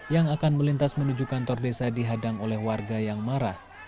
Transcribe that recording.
yang akan melintas menuju kantor desa dihadang oleh warga yang marah